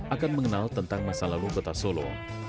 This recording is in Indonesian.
akan mengenal tentang masa lalu kota solo